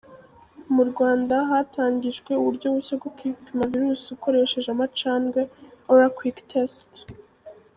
Mu Rwanda hatangijwe uburyo bushya bwo kwipima Virus ukoresheje amacandwe ‘Ora quick test’.